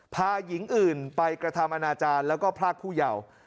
พาหญิงอื่นไปกระทำอนาจารย์แล้วก็พรากผู้เยาว์